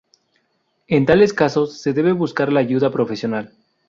En tales casos, se debe buscar la ayuda profesional.